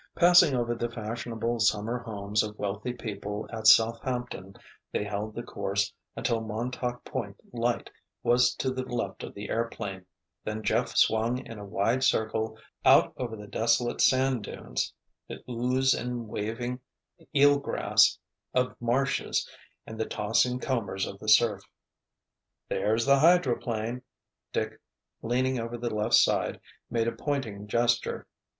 Passing over the fashionable Summer homes of wealthy people at Southampton, they held the course until Montauk Point light was to the left of the airplane, then Jeff swung in a wide circle out over the desolate sand dunes, the ooze and waving eel grass of marshes and the tossing combers of the surf. "There's the hydroplane!" Dick, leaning over the left side, made a pointing gesture.